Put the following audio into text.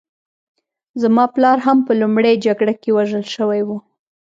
زما پلار هم په لومړۍ جګړه کې وژل شوی و